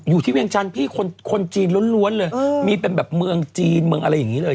เวียงจันทร์พี่คนจีนล้วนเลยมีเป็นแบบเมืองจีนเมืองอะไรอย่างนี้เลย